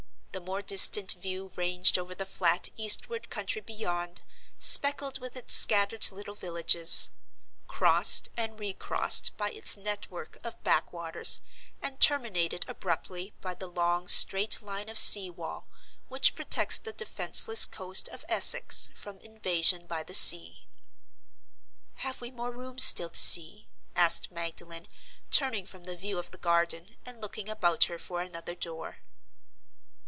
The more distant view ranged over the flat eastward country beyond, speckled with its scattered little villages; crossed and recrossed by its network of "back waters"; and terminated abruptly by the long straight line of sea wall which protects the defenseless coast of Essex from invasion by the sea. "Have we more rooms still to see?" asked Magdalen, turning from the view of the garden, and looking about her for another door.